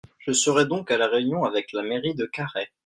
je serai donc à la réunion avec la mairie de Carhaix.